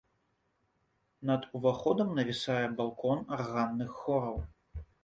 Над уваходам навісае балкон арганных хораў.